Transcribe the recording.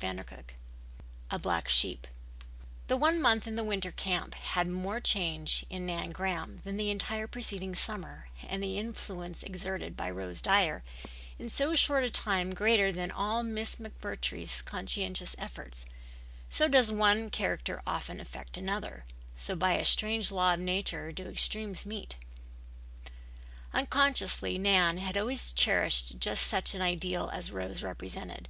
CHAPTER VI A Black Sheep The one month in the winter camp had made more change in Nan Graham than the entire preceding summer, and the influence exerted by Rose Dyer in so short a time greater than all Miss McMurtry's conscientious efforts, so does one character often affect another, so by a strange law of nature do extremes meet. Unconsciously Nan had always cherished just such an ideal as Rose represented.